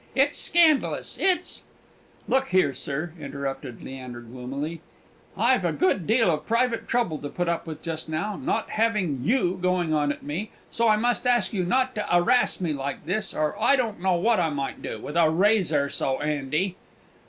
It's scandalous! it's " "Look here, sir," interrupted Leander, gloomily; "I've a good deal of private trouble to put up with just now, without having you going on at me; so I must ask you not to 'arris me like this, or I don't know what I might do, with a razor so 'andy!"